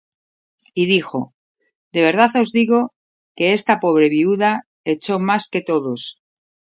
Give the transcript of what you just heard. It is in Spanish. Y dijo: De verdad os digo, que esta pobre viuda echó más que todos: